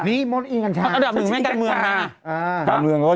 หนึ่งมันการเมืองมา